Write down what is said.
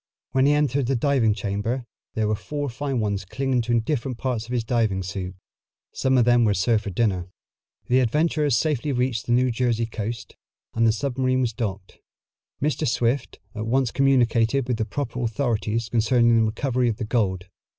When he entered the diving chamber there were four fine ones clinging to different parts of his diving suit. Some of them were served for dinner. The adventurers safely reached the New Jersey coast, and the submarine was docked. Mr. Swift at once communicated with the proper authorities concerning the recovery of the gold.